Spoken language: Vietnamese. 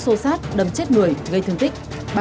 xô xát đâm chết người gây thương tích